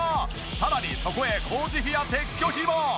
さらにそこへ工事費や撤去費も！